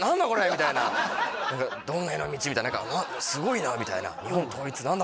みたいな「首領への道」みたいな何かすごいなあみたいな「日本統一」何だ？